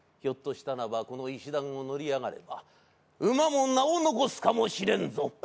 ひょっとしたらばこの石段を乗りあがれば馬も名を残すかもしれんぞ。